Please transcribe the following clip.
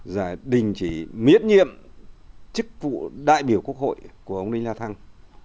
là đình chỉ miễn nhiệm chức vụ đại biểu quốc hội của ông linh la thăng